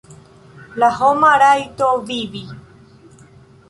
La homa rajto vivi.